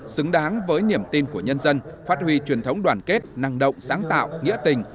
xứng đáng với niềm tin của nhân dân phát huy truyền thống đoàn kết năng động sáng tạo nghĩa tình